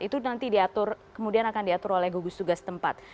itu nanti diatur kemudian akan diatur oleh gugus tugas tempat